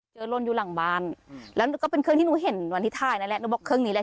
เจอล้นอยู่หลังบานแล้วก็เป็นเครื่องที่หนูเห็นวันที่ทายนั้นแหละ